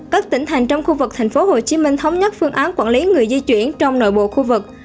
các tỉnh thành trong khu vực thành phố hồ chí minh thống nhất phương án quản lý người di chuyển trong nội bộ khu vực